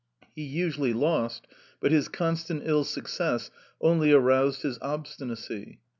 He usually lost, but his constant ill success only aroused his obstinacy.